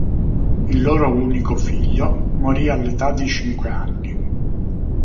Il loro unico figlio morì all'età di cinque anni.